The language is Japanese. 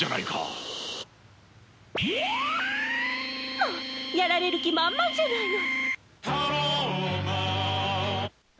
まあやられる気満々じゃないの！